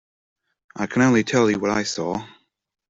I can only tell you what I saw.